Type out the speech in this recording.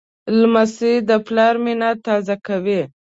لمسی د پلار مینه تازه کوي.